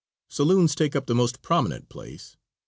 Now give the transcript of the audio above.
Saloons take up the most prominent place.